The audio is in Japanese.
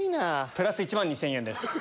プラス１万２０００円です。